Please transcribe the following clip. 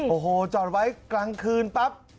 โอ้โหจอดไว้กลางคืนปั๊บ